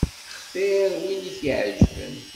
Xtir win i k-iɛeǧben.